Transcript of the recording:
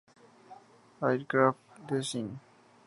Aircraft design.